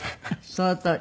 そのとおり？